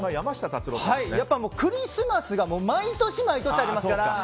クリスマスが毎年毎年ありますから。